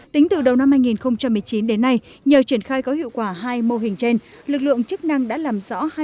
tính từ đầu năm hai nghìn một mươi chín đến nay nhờ triển khai có hiệu quả hai mô hình trên lực lượng chức năng đã làm rõ